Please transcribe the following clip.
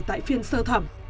tại phiên sơ thẩm